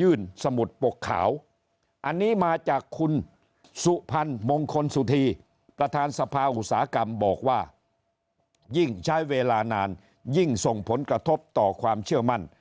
ยิ่งใช้เวลานานยิ่งส่งผลกระทบต่อความเชื่อมั่น